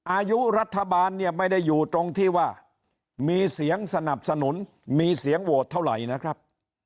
อายุรัฐบาลเนี่ยไม่ได้อยู่ตรงที่ว่ามีเสียงสนับสนุนมีเสียงโหวตเท่าไหร่นะครับ